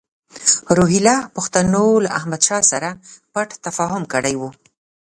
روهیله پښتنو له احمدشاه سره پټ تفاهم کړی وو.